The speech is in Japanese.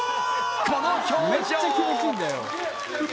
この表情！